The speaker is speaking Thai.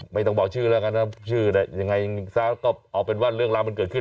ไม่ต้องบอกชื่อแล้วกันนะชื่อยังไงซะก็เอาเป็นว่าเรื่องราวมันเกิดขึ้น